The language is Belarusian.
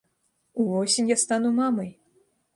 Увосень я стану мамай!